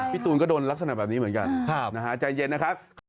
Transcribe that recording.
ตูนก็โดนลักษณะแบบนี้เหมือนกันนะฮะใจเย็นนะครับ